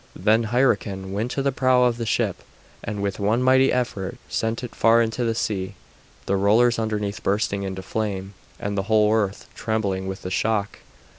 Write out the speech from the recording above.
Then Hyrroken went to the prow of the ship and with one mighty effort sent it far into the sea, the rollers underneath bursting into flame, and the whole earth trembling with the shock.